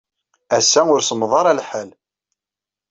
Ass-a, ur semmeḍ ara lḥal.